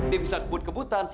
dia bisa kebut kebutan